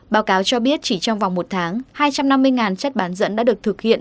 báo cáo cho biết chỉ trong vòng một tháng hai trăm năm mươi chất bán dẫn đã được thực hiện